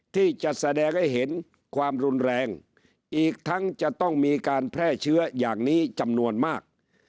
ที่จะแสดงให้เห็นความรุนแรงอีกทั้งจะต้องมีการแพร่เชื้ออย่างนี้จำนวนมาก